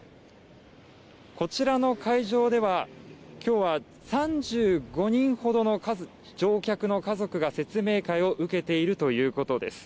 こちらの会場では今日は３５人ほどの乗客の家族が説明会を受けているということです